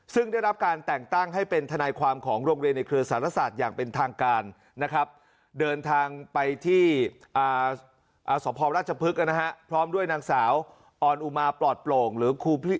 ซึ่งได้รับการแต่งตั้งให้เป็นทนายความของโรงเรียนในเครือศาลศาสตร์อย่างเป็นทางการนะครับเดินทางไปที่อาสภองราชพฤกษ์นะฮะพร้อมด้วยนางสาวอ่อนอุมาปอดปล่งหรือครูพี่เล้งจุ๋มนะครับ